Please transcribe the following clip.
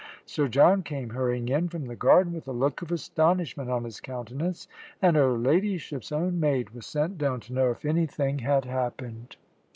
Sir John came hurrying in from the garden with a look of astonishment on his countenance, and her ladyship's own maid was sent down to know if anything had happened.